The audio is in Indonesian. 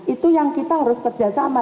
itu yang kita harus kerjasama